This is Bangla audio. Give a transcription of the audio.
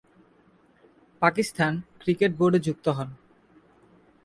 পাকিস্তান ক্রিকেট বোর্ডে যুক্ত হন।